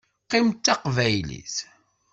Qqim d Taqbaylit.